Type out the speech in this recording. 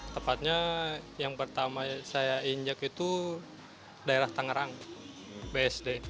tepatnya yang pertama saya injak itu daerah tangerang bsd